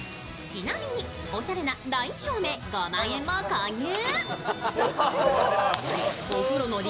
ちなみにおしゃれなライン照明５万円も購入。